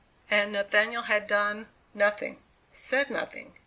And Nathaniel had done nothing; said nothing!